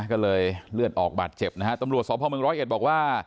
ก็เลยเลือดออกบาดเจ็บนะฮะตำรวจสพเมืองร้อยเอ็ดบอกว่า